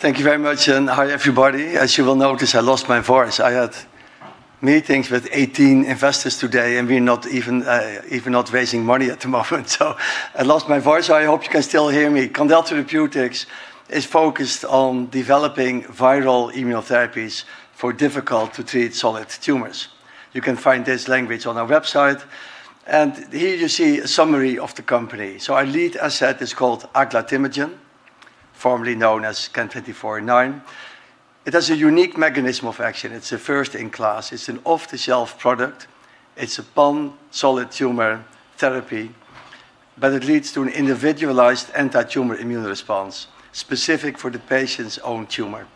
Thank you very much. Hi, everybody. As you will notice, I lost my voice. I had meetings with 18 investors today, and we're not even raising money at the moment, so I lost my voice. I hope you can still hear me. Candel Therapeutics is focused on developing viral immunotherapies for difficult-to-treat solid tumors. You can find this language on our website, and here you see a summary of the company. Our lead asset is called aglatimagene, formerly known as CAN-2409. It has a unique mechanism of action. It's a first in class. It's an off-the-shelf prodrug. It's a pan-solid tumor therapy, but it leads to an individualized anti-tumor immune response specific for the patient's own tumor.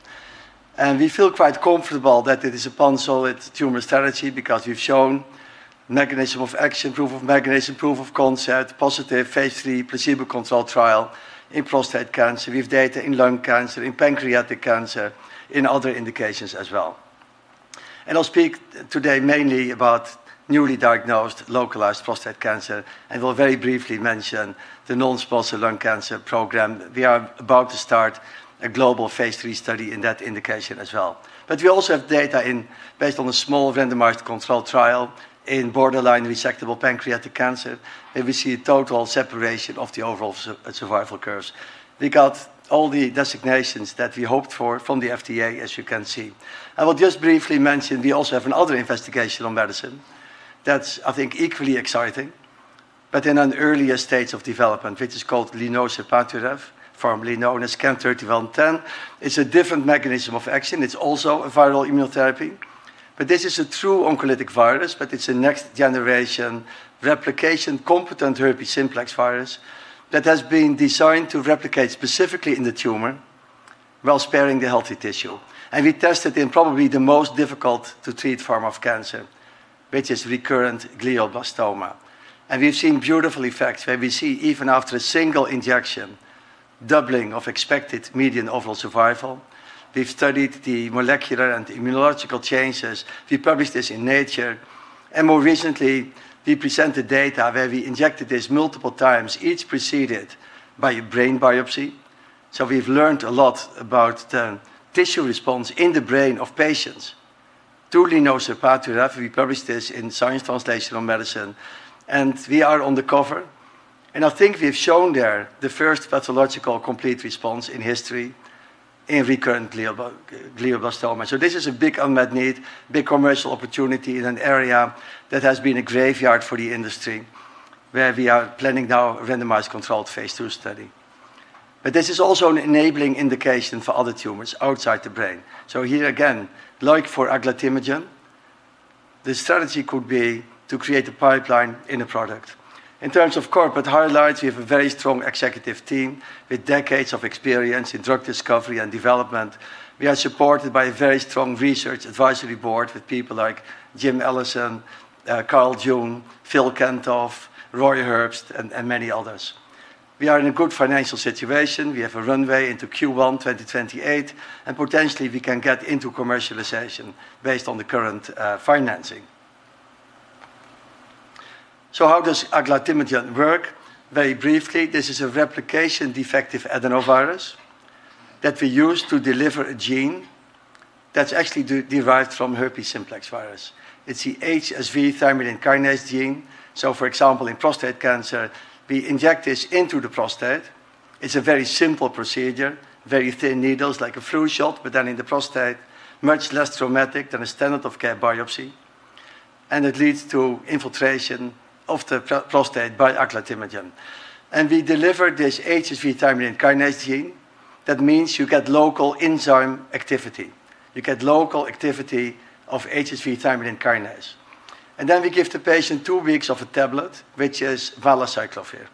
We feel quite comfortable that it is a pan-solid tumor strategy because we've shown mechanism of action, proof of mechanism, proof of concept, positive phase III placebo-controlled trial in prostate cancer. We have data in lung cancer, in pancreatic cancer, in other indications as well. I'll speak today mainly about newly diagnosed localized prostate cancer, and we'll very briefly mention the non-small cell lung cancer program. We are about to start a global phase III study in that indication as well. We also have data based on a small randomized control trial in borderline resectable pancreatic cancer, and we see a total separation of the overall survival curves. We got all the designations that we hoped for from the FDA, as you can see. I will just briefly mention we also have another investigational medicine that's I think equally exciting but in an earlier stage of development, which is called linoserpaturev, formerly known as CAN-3110. It's a different mechanism of action. It's also a viral immunotherapy, but this is a true oncolytic virus, but it's a next generation replication-competent herpes simplex virus that has been designed to replicate specifically in the tumor while sparing the healthy tissue. We tested in probably the most difficult to treat form of cancer, which is recurrent glioblastoma. We've seen beautiful effects where we see even after a single injection, doubling of expected median overall survival. We've studied the molecular and immunological changes. We published this in Nature, and more recently, we presented data where we injected this multiple times, each preceded by a brain biopsy. We've learned a lot about the tissue response in the brain of patients to linoserpaturev. We published this in Science Translational Medicine. We are on the cover. I think we've shown there the first pathological complete response in history in recurrent glioblastoma. This is a big unmet need, big commercial opportunity in an area that has been a graveyard for the industry, where we are planning now a randomized controlled phase II study. This is also an enabling indication for other tumors outside the brain. Here again, like for aglatimagene, the strategy could be to create a pipeline in a product. In terms of corporate highlights, we have a very strong executive team with decades of experience in drug discovery and development. We are supported by a very strong research advisory board with people like Jim Allison, Carl June, Phil Kantoff, Roy Herbst, and many others. We are in a good financial situation. We have a runway into Q1 2028, and potentially we can get into commercialization based on the current financing. How does aglatimagene work? Very briefly, this is a replication-defective adenovirus that we use to deliver a gene that's actually derived from herpes simplex virus. It's the HSV thymidine kinase gene. For example, in prostate cancer, we inject this into the prostate. It's a very simple procedure, very thin needles like a flu shot, but then in the prostate, much less traumatic than a standard of care biopsy, and it leads to infiltration of the prostate by aglatimagene. We deliver this HSV thymidine kinase gene. That means you get local enzyme activity. You get local activity of HSV thymidine kinase. We give the patient two weeks of a tablet, which is valacyclovir.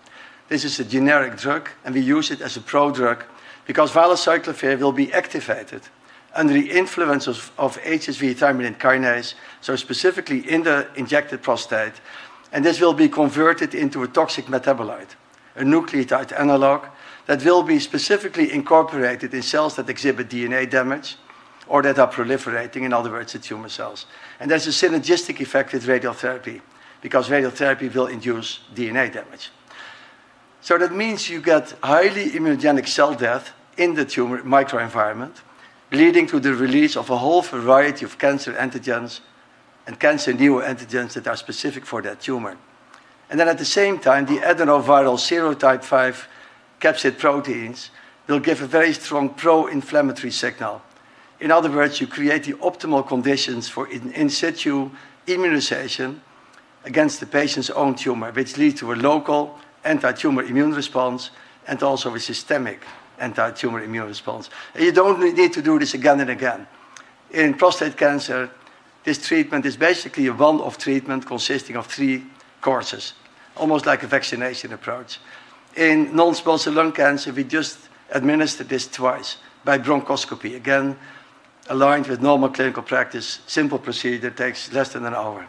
This is a generic drug, and we use it as a prodrug because valacyclovir will be activated under the influence of HSV thymidine kinase, specifically in the injected prostate, and this will be converted into a toxic metabolite, a nucleotide analog that will be specifically incorporated in cells that exhibit DNA damage or that are proliferating, in other words, the tumor cells. There's a synergistic effect with radiotherapy because radiotherapy will induce DNA damage. That means you get highly immunogenic cell death in the tumor microenvironment, leading to the release of a whole variety of cancer antigens and cancer neoantigens that are specific for that tumor. At the same time, the adenoviral serotype 5 capsid proteins will give a very strong pro-inflammatory signal. In other words, you create the optimal conditions for in situ immunization against the patient's own tumor, which lead to a local anti-tumor immune response and also a systemic anti-tumor immune response. You don't need to do this again and again. In prostate cancer, this treatment is basically a one-off treatment consisting of three courses, almost like a vaccination approach. In non-small cell lung cancer, we just administered this twice by bronchoscopy, again, aligned with normal clinical practice, simple procedure, takes less than an hour.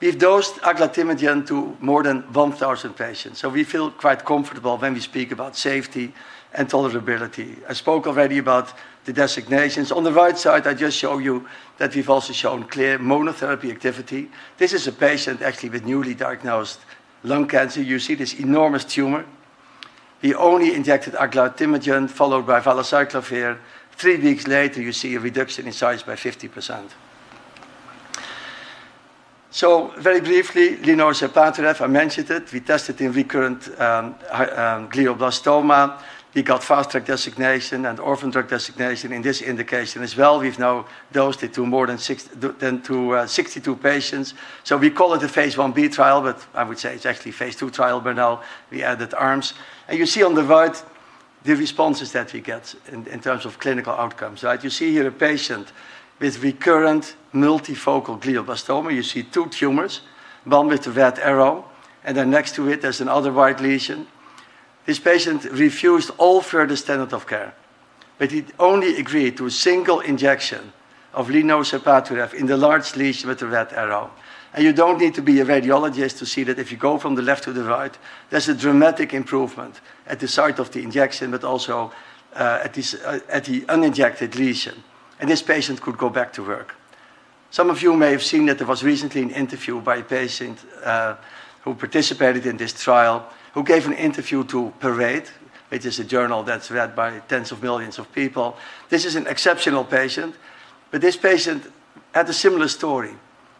We've dosed aglatimagene to more than 1,000 patients, so we feel quite comfortable when we speak about safety and tolerability. I spoke already about the designations. On the right side, I just show you that we've also shown clear monotherapy activity. This is a patient actually with newly diagnosed lung cancer. You see this enormous tumor. We only injected aglatimagene followed by valacyclovir. Three weeks later, you see a reduction in size by 50%. Very briefly, linoserpaturev, I mentioned it. We tested in recurrent glioblastoma. We got Fast Track designation and Orphan Drug designation in this indication as well. We've now dosed it to 62 patients. We call it a phase I-B trial, but I would say it's actually a phase II trial by now. We added arms. You see on the right the responses that we get in terms of clinical outcomes. You see here a patient with recurrent multifocal glioblastoma. You see two tumors, one with a red arrow, and then next to it there's another white lesion. This patient refused all further standard of care, but he'd only agreed to a single injection of linoserpaturev in the large lesion with the red arrow. You don't need to be a radiologist to see that if you go from the left to the right, there's a dramatic improvement at the site of the injection, but also at the uninjected lesion. This patient could go back to work. Some of you may have seen that there was recently an interview by a patient, who participated in this trial, who gave an interview to Parade, which is a journal that's read by tens of millions of people. This is an exceptional patient, but this patient had a similar story.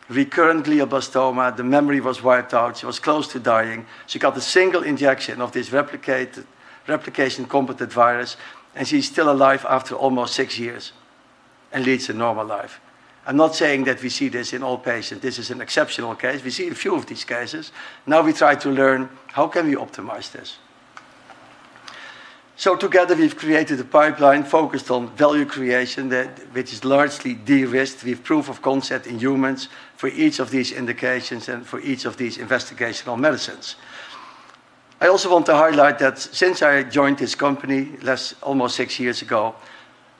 Recurrent glioblastoma. The memory was wiped out. She was close to dying. She got the single injection of this replication-competent virus, and she's still alive after almost six years and leads a normal life. I'm not saying that we see this in all patients. This is an exceptional case. We see a few of these cases. We try to learn how can we optimize this? Together, we've created a pipeline focused on value creation, which is largely de-risked with proof of concept in humans for each of these indications and for each of these investigational medicines. I also want to highlight that since I joined this company almost six years ago,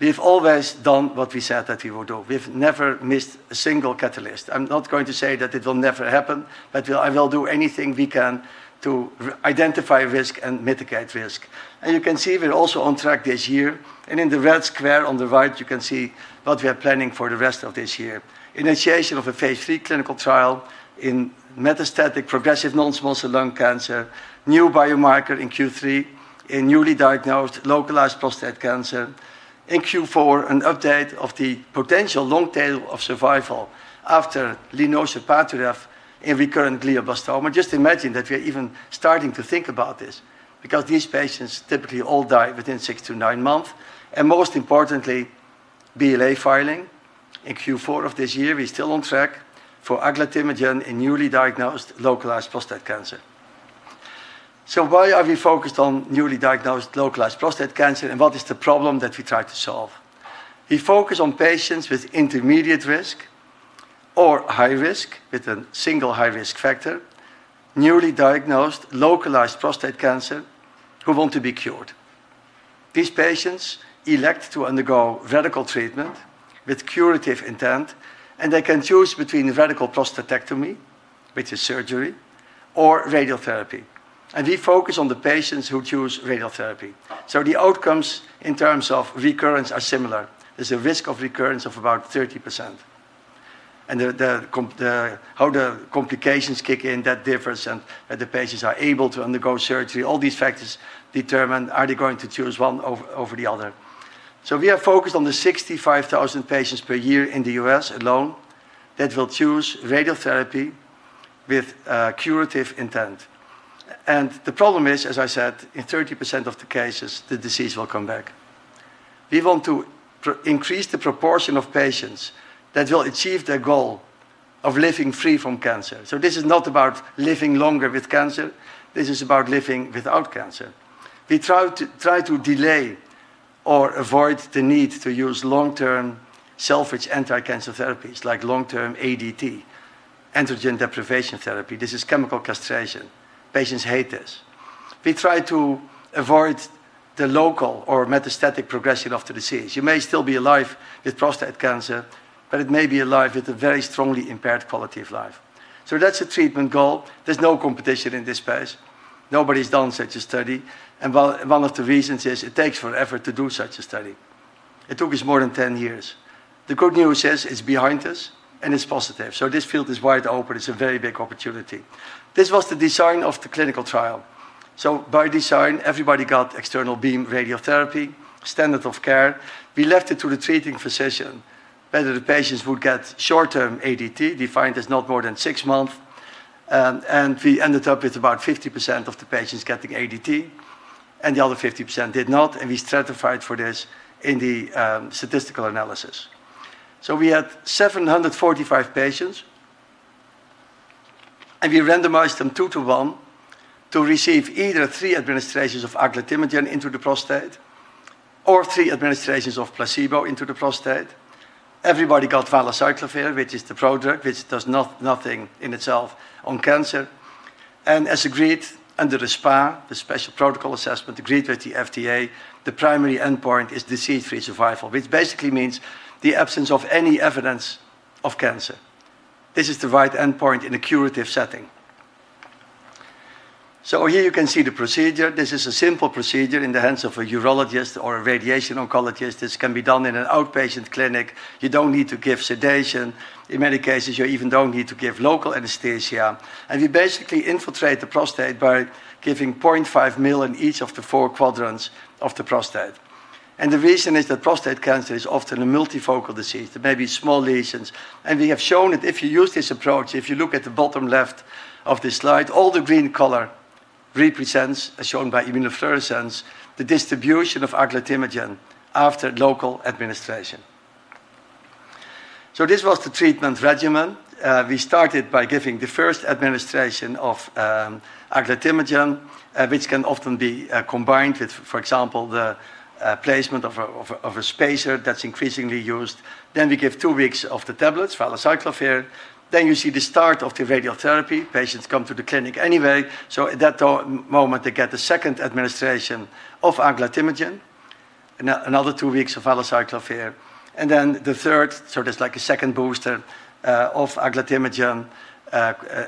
we've always done what we said that we would do. We've never missed a single catalyst. I'm not going to say that it will never happen, but I will do anything we can to identify risk and mitigate risk. You can see we're also on track this year. In the red square on the right, you can see what we are planning for the rest of this year. Initiation of a phase III clinical trial in metastatic progressive non-small cell lung cancer, new biomarker in Q3 in newly diagnosed localized prostate cancer. In Q4, an update of the potential long tail of survival after linoserpaturev in recurrent glioblastoma. Just imagine that we're even starting to think about this, because these patients typically all die within six to nine months. Most importantly, BLA filing in Q4 of this year. We're still on track for aglatimagene in newly diagnosed localized prostate cancer. Why are we focused on newly diagnosed localized prostate cancer, and what is the problem that we try to solve? We focus on patients with intermediate risk or high risk with a single high risk factor, newly diagnosed localized prostate cancer, who want to be cured. These patients elect to undergo radical treatment with curative intent. They can choose between radical prostatectomy, which is surgery, or radiotherapy. We focus on the patients who choose radiotherapy. The outcomes in terms of recurrence are similar. There's a risk of recurrence of about 30%. How the complications kick in, that difference, and the patients are able to undergo surgery, all these factors determine are they going to choose one over the other. We are focused on the 65,000 patients per year in the U.S. alone that will choose radiotherapy with curative intent. The problem is, as I said, in 30% of the cases, the disease will come back. We want to increase the proportion of patients that will achieve their goal of living free from cancer. This is not about living longer with cancer. This is about living without cancer. We try to delay or avoid the need to use long-term salvage anti-cancer therapies like long-term ADT, androgen deprivation therapy. This is chemical castration. Patients hate this. We try to avoid the local or metastatic progression of the disease. It may still be alive with prostate cancer, but it may be alive with a very strongly impaired quality of life. That's a treatment goal. There's no competition in this space. Nobody's done such a study. One of the reasons is it takes forever to do such a study. It took us more than 10 years. The good news is it's behind us, and it's positive. This field is wide open. It's a very big opportunity. This was the design of the clinical trial. By design, everybody got external beam radiotherapy, standard of care. We left it to the treating physician, whether the patients would get short-term ADT, defined as not more than six months, and we ended up with about 50% of the patients getting ADT, and the other 50% did not, and we stratified for this in the statistical analysis. We had 745 patients, and we randomized them 2 to 1 to receive either three administrations of aglatimagene into the prostate or three administrations of placebo into the prostate. Everybody got valacyclovir, which is the product, which does nothing in itself on cancer. As agreed under the SPA, the Special Protocol Assessment, agreed with the FDA, the primary endpoint is disease-free survival, which basically means the absence of any evidence of cancer. This is the right endpoint in a curative setting. Here you can see the procedure. This is a simple procedure in the hands of a urologist or a radiation oncologist. This can be done in an outpatient clinic. You don't need to give sedation. In many cases, you even don't need to give local anesthesia. We basically infiltrate the prostate by giving 0.5 mil in each of the four quadrants of the prostate. The reason is that prostate cancer is often a multifocal disease. There may be small lesions, and we have shown that if you use this approach, if you look at the bottom left of this slide, all the green color represents, as shown by immunofluorescence, the distribution of aglatimagene after local administration. This was the treatment regimen. We started by giving the first administration of aglatimagene, which can often be combined with, for example, the placement of a spacer that's increasingly used. We give two weeks of the tablets, valacyclovir. You see the start of the radiotherapy. Patients come to the clinic anyway, so at that moment they get the second administration of aglatimagene, another two weeks of valacyclovir, and then the third, just like a second booster of aglatimagene,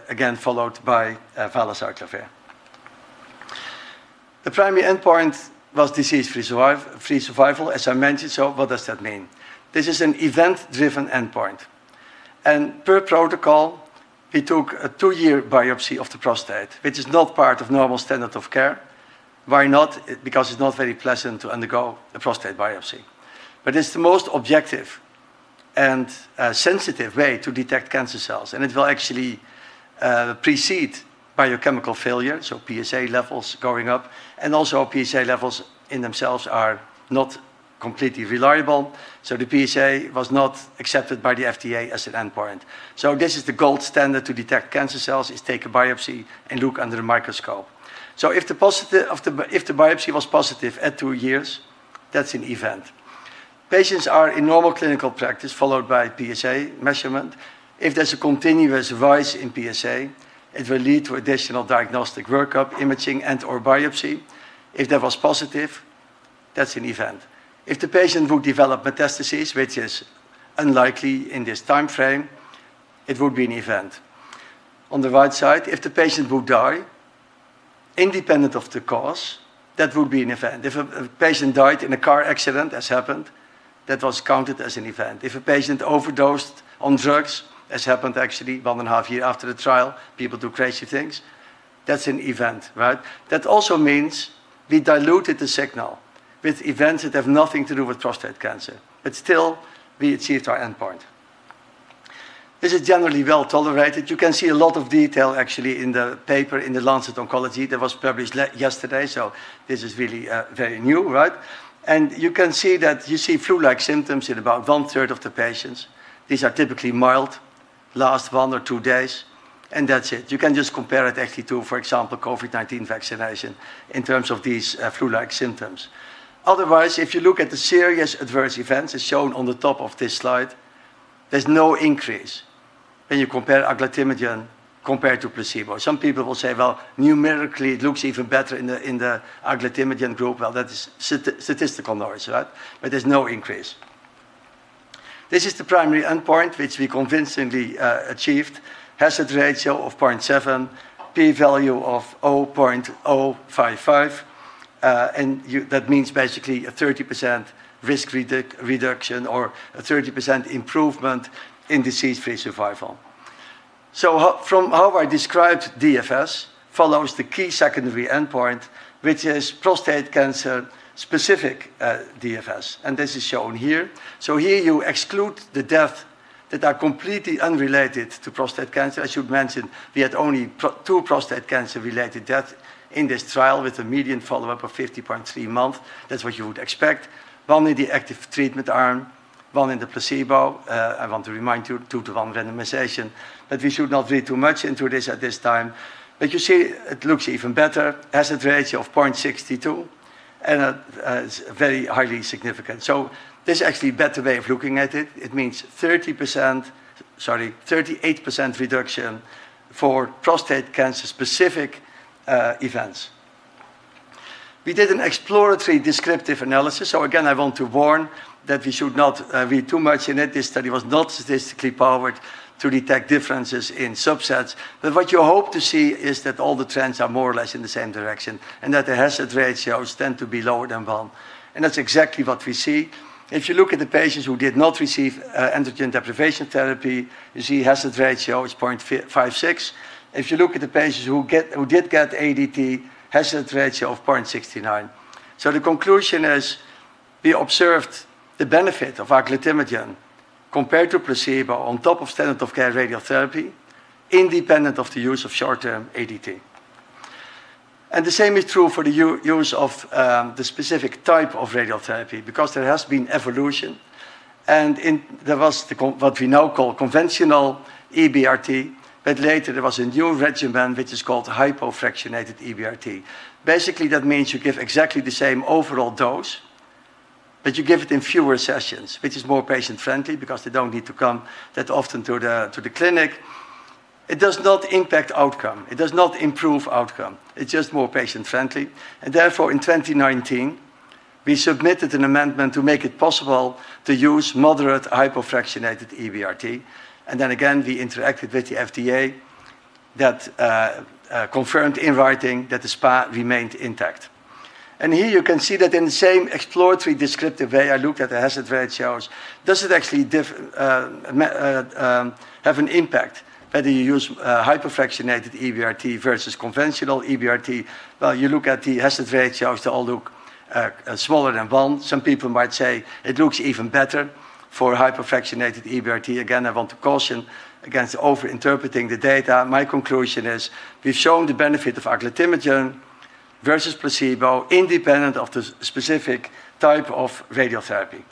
again followed by valacyclovir. The primary endpoint was disease-free survival, as I mentioned. What does that mean? This is an event-driven endpoint, and per protocol, we took a two-year biopsy of the prostate, which is not part of normal standard of care. Why not? Because it's not very pleasant to undergo a prostate biopsy. It's the most objective and sensitive way to detect cancer cells, and it will actually precede biochemical failure, so PSA levels going up. Also, PSA levels in themselves are not completely reliable, so the PSA was not accepted by the FDA as an endpoint. This is the gold standard to detect cancer cells, is take a biopsy and look under the microscope. If the biopsy was positive at two years, that's an event. Patients are in normal clinical practice, followed by PSA measurement. If there's a continuous rise in PSA, it will lead to additional diagnostic workup, imaging and/or biopsy. If that was positive, that's an event. If the patient would develop metastases, which is unlikely in this timeframe, it would be an event. On the right side, if the patient would die, independent of the cause, that would be an event. If a patient died in a car accident, as happened, that was counted as an event. If a patient overdosed on drugs, as happened actually one and a half year after the trial, people do crazy things. That's an event. That also means we diluted the signal with events that have nothing to do with prostate cancer, but still, we achieved our endpoint. This is generally well-tolerated. You can see a lot of detail actually in the paper in The Lancet Oncology that was published yesterday. This is really very new. You can see that you see flu-like symptoms in about one-third of the patients. These are typically mild, last one or two days. That's it. You can just compare it actually to, for example, COVID-19 vaccination in terms of these flu-like symptoms. Otherwise, if you look at the serious adverse events, as shown on the top of this slide, there's no increase when you compare aglatimagene compared to placebo. Some people will say, "Numerically, it looks even better in the aglatimagene group." That is statistical noise, but there's no increase. This is the primary endpoint, which we convincingly achieved. Hazard ratio of 0.7, P value of 0.055. That means basically a 30% risk reduction or a 30% improvement in disease-free survival. From how I described DFS follows the key secondary endpoint, which is prostate cancer-specific DFS. This is shown here. Here you exclude the death that are completely unrelated to prostate cancer. I should mention, we had only two prostate cancer-related death in this trial with a median follow-up of 50.3 month. That's what you would expect. One in the active treatment arm, one in the placebo. I want to remind you, 2:1 randomization. We should not read too much into this at this time. You see it looks even better. Hazard ratio of 0.62, it's very highly significant. There's actually a better way of looking at it. It means 38% reduction for prostate cancer-specific events. We did an exploratory descriptive analysis, again, I want to warn that we should not read too much in it. This study was not statistically powered to detect differences in subsets. What you hope to see is that all the trends are more or less in the same direction, that the hazard ratios tend to be lower than one, that's exactly what we see. If you look at the patients who did not receive androgen deprivation therapy, you see hazard ratio is 0.56. If you look at the patients who did get ADT, hazard ratio of 0.69. The conclusion is we observed the benefit of aglatimagene compared to placebo on top of standard of care radiotherapy independent of the use of short-term ADT. The same is true for the use of the specific type of radiotherapy because there has been evolution, and there was what we now call conventional EBRT, but later there was a new regimen, which is called hypofractionated EBRT. That means you give exactly the same overall dose, but you give it in fewer sessions, which is more patient-friendly because they don't need to come that often to the clinic. It does not impact outcome. It does not improve outcome. It's just more patient-friendly. Therefore, in 2019, we submitted an amendment to make it possible to use moderate hypofractionated EBRT. Then again, we interacted with the FDA that confirmed in writing that the SPA remained intact. Here you can see that in the same exploratory descriptive way I looked at the hazard ratios, does it actually have an impact whether you use hypofractionated EBRT versus conventional EBRT? You look at the hazard ratios, they all look smaller than one. Some people might say it looks even better for hypofractionated EBRT. Again, I want to caution against over-interpreting the data. My conclusion is we've shown the benefit of aglatimagene versus placebo, independent of the specific type of radiotherapy.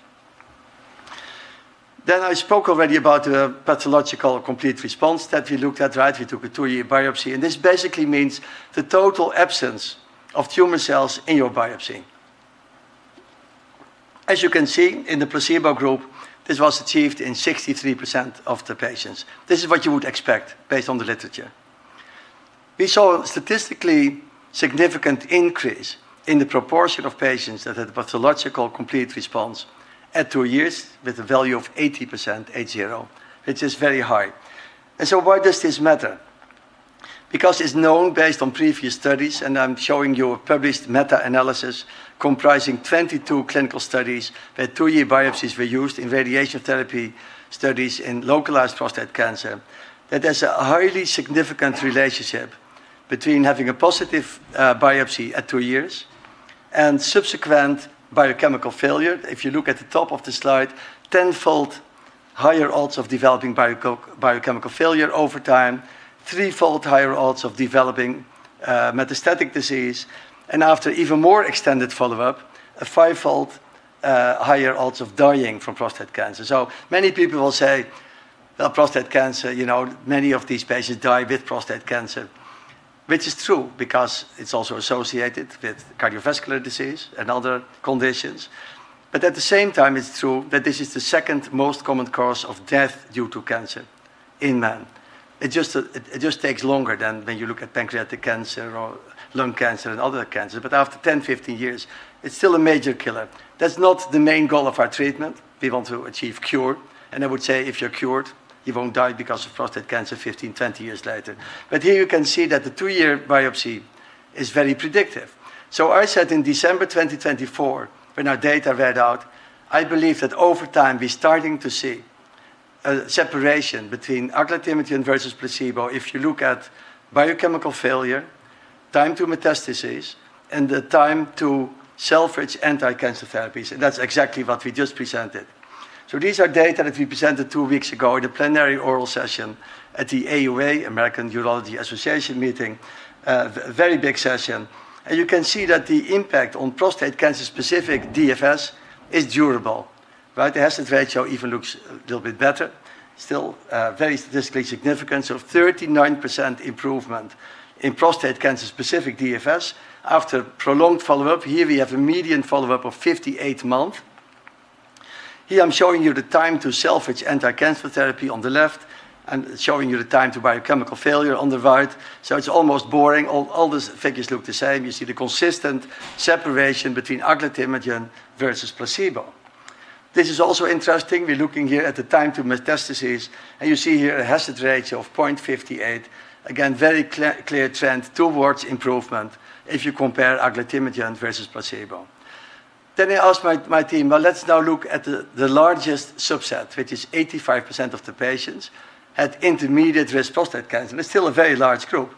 I spoke already about the pathological complete response that we looked at. We took a two-year biopsy, and this basically means the total absence of tumor cells in your biopsy. As you can see in the placebo group, this was achieved in 63% of the patients. This is what you would expect based on the literature. We saw a statistically significant increase in the proportion of patients that had pathological complete response at two years with a value of 80%, 8-0, which is very high. Why does this matter? Because it's known based on previous studies, and I'm showing you a published meta-analysis comprising 22 clinical studies where two-year biopsies were used in radiation therapy studies in localized prostate cancer, that there's a highly significant relationship between having a positive biopsy at two years and subsequent biochemical failure. If you look at the top of the slide, 10-fold higher odds of developing biochemical failure over time, threefold higher odds of developing metastatic disease, and after even more extended follow-up, a fivefold higher odds of dying from prostate cancer. Many people will say, "Well, prostate cancer, many of these patients die with prostate cancer." Which is true, because it's also associated with cardiovascular disease and other conditions. At the same time, it's true that this is the second most common cause of death due to cancer in men. It just takes longer than when you look at pancreatic cancer or lung cancer and other cancers, but after 10, 15 years, it's still a major killer. That's not the main goal of our treatment. We want to achieve cure, and I would say if you're cured, you won't die because of prostate cancer 15, 20 years later. Here you can see that the two-year biopsy is very predictive. I said in December 2024, when our data read out, I believe that over time, we're starting to see a separation between aglatimagene versus placebo. If you look at biochemical failure, time to metastasis, and the time to salvage anti-cancer therapies, that's exactly what we just presented. These are data that we presented two weeks ago at a plenary oral session at the AUA, American Urological Association meeting. A very big session. You can see that the impact on prostate cancer-specific DFS is durable. The hazard ratio even looks a little bit better. Still very statistically significant. 39% improvement in prostate cancer-specific DFS after prolonged follow-up. Here we have a median follow-up of 58 months. Here I'm showing you the time to salvage anti-cancer therapy on the left and showing you the time to biochemical failure on the right. It's almost boring. All these figures look the same. You see the consistent separation between aglatimagene versus placebo. This is also interesting. We're looking here at the time to metastasis, and you see here a hazard ratio of 0.58. Again, very clear trend towards improvement if you compare aglatimagene versus placebo. I asked my team, "Well, let's now look at the largest subset, which is 85% of the patients, had intermediate-risk prostate cancer." It's still a very large group.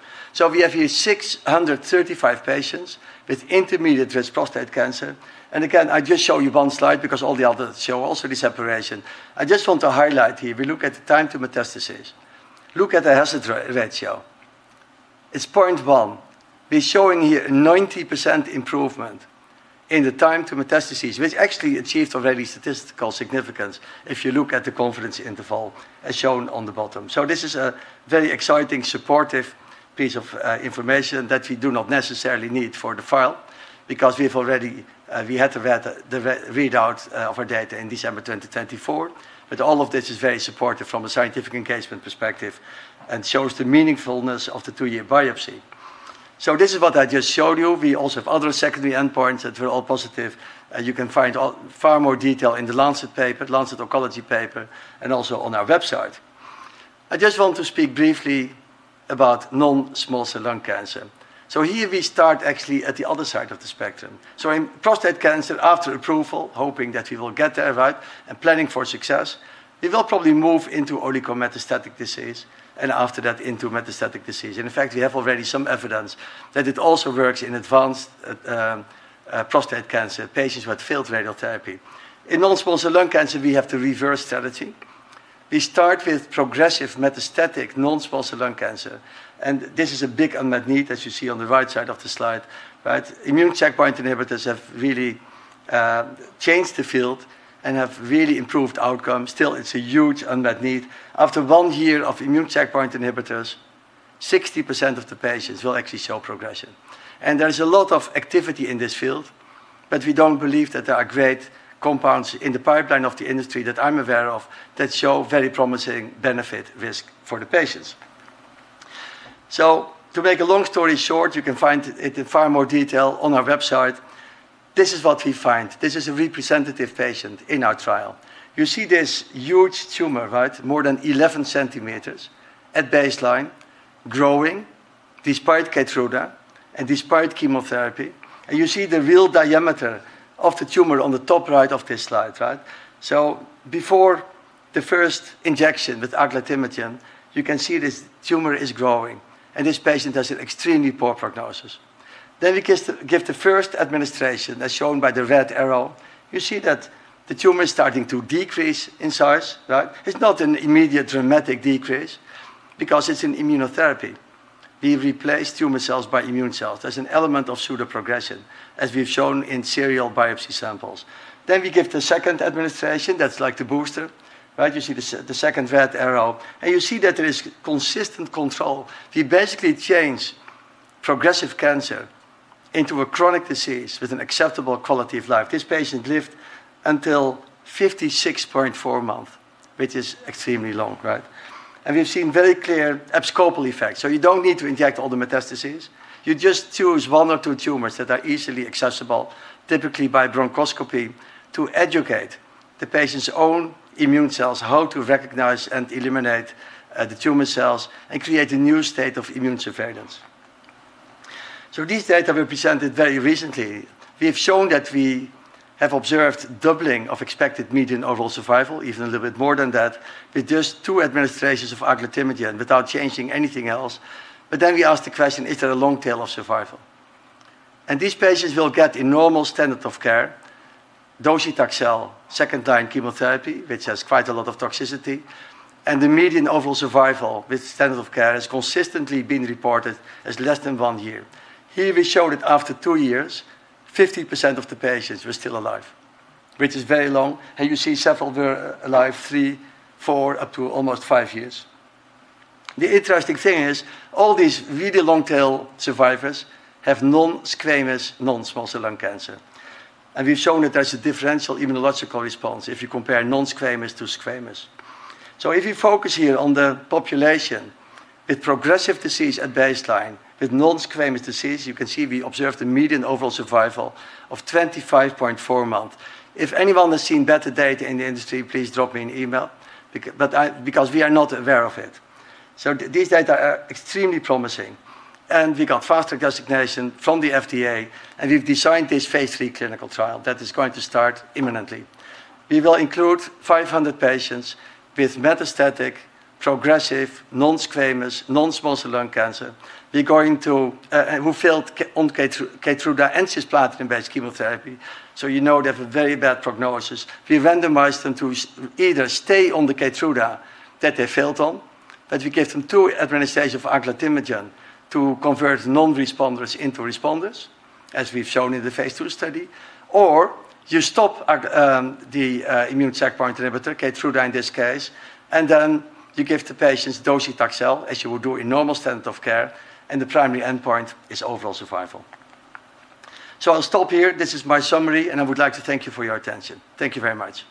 We have here 635 patients with intermediate-risk prostate cancer. Again, I just show you one slide because all the others show also the separation. I just want to highlight here, we look at the time to metastasis. Look at the hazard ratio. It's 0.1. We're showing here a 90% improvement in the time to metastasis, which actually achieved already statistical significance if you look at the confidence interval as shown on the bottom. This is a very exciting, supportive piece of information that we do not necessarily need for the file because we had the readout of our data in December 2024. All of this is very supportive from a scientific engagement perspective and shows the meaningfulness of the two-year biopsy. This is what I just showed you. We also have other secondary endpoints that were all positive. You can find far more detail in The Lancet Oncology paper, and also on our website. I just want to speak briefly about non-small cell lung cancer. Here we start actually at the other side of the spectrum. In prostate cancer, after approval, hoping that we will get there, and planning for success, we will probably move into oligometastatic disease, and after that, into metastatic disease. In fact, we have already some evidence that it also works in advanced prostate cancer patients who had failed radiotherapy. In non-small cell lung cancer, we have the reverse strategy. We start with progressive metastatic non-small cell lung cancer, and this is a big unmet need, as you see on the right side of the slide. Immune checkpoint inhibitors have really changed the field and have really improved outcomes. Still, it's a huge unmet need. After one year of immune checkpoint inhibitors, 60% of the patients will actually show progression. There's a lot of activity in this field, but we don't believe that there are great compounds in the pipeline of the industry that I'm aware of that show very promising benefit risk for the patients. To make a long story short, you can find it in far more detail on our website. This is what we find. This is a representative patient in our trial. You see this huge tumor, more than 11 cm at baseline, growing despite KEYTRUDA and despite chemotherapy. You see the real diameter of the tumor on the top right of this slide. Before the first injection with aglatimagene, you can see this tumor is growing, and this patient has an extremely poor prognosis. We give the first administration, as shown by the red arrow. You see that the tumor is starting to decrease in size, right? It's not an immediate dramatic decrease because it's an immunotherapy. We replace tumor cells by immune cells. There's an element of pseudoprogression, as we've shown in serial biopsy samples. We give the second administration that's like the booster, right? You see the second red arrow, and you see that there is consistent control. We basically change progressive cancer into a chronic disease with an acceptable quality of life. This patient lived until 56.4 month, which is extremely long, right? We've seen very clear abscopal effect. You don't need to inject all the metastases. You just choose one or two tumors that are easily accessible, typically by bronchoscopy, to educate the patient's own immune cells how to recognize and eliminate, the tumor cells and create a new state of immune surveillance. These data were presented very recently. We've shown that we have observed doubling of expected median overall survival, even a little bit more than that, with just two administrations of aglatimagene without changing anything else. We ask the question, is there a long tail of survival? These patients will get a normal standard of care, docetaxel second time chemotherapy, which has quite a lot of toxicity, and the median overall survival with standard of care has consistently been reported as less than one year. Here we showed that after two years, 50% of the patients were still alive, which is very long. You see several were alive three, four, up to almost five years. The interesting thing is all these really long tail survivors have non-squamous, non-small cell lung cancer. We've shown that there's a differential immunological response if you compare non-squamous to squamous. If you focus here on the population with progressive disease at baseline with non-squamous disease, you can see we observed a median overall survival of 25.4 month. If anyone has seen better data in the industry, please drop me an email, because we are not aware of it. These data are extremely promising, and we got Fast Track designation from the FDA, and we've designed this phase III clinical trial that is going to start imminently. We will include 500 patients with metastatic, progressive, non-squamous, non-small cell lung cancer, who failed on KEYTRUDA and cisplatin-based chemotherapy. You know they have a very bad prognosis. We randomized them to either stay on the KEYTRUDA that they failed on, but we give them two administration of aglatimagene to convert non-responders into responders, as we've shown in the phase II study. You stop the immune checkpoint inhibitor, KEYTRUDA in this case, and then you give the patients docetaxel, as you would do a normal standard of care, and the primary endpoint is overall survival. I'll stop here. This is my summary, and I would like to thank you for your attention. Thank you very much.